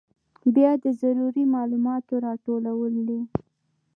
بیا د ضروري معلوماتو راټولول دي.